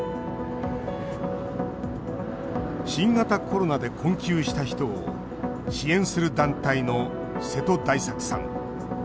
新型コロナで困窮した人を支援する団体の瀬戸大作さん。